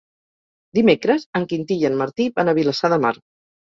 Dimecres en Quintí i en Martí van a Vilassar de Mar.